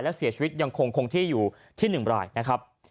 และเสียชีวิตยังคงที่อยู่ที่๑รายนะครับ